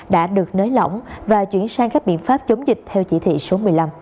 đã được nới lỏng và chuyển sang các biện pháp chống dịch theo chỉ thị số một mươi năm